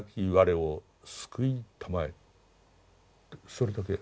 それだけ。